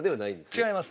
違います。